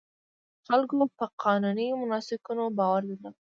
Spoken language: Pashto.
خلکو په قانوني مناسکونو باور درلود.